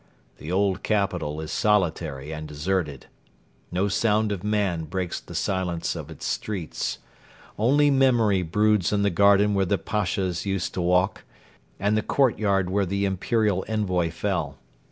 The old capital is solitary and deserted. No sound of man breaks the silence of its streets. Only memory broods in the garden where the Pashas used to walk, and the courtyard where the Imperial envoy fell.